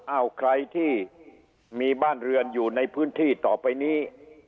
ใครที่มีบ้านเรือนอยู่ในพื้นที่ต่อไปนี้